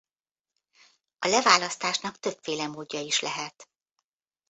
A leválasztásnak többféle módja is lehet.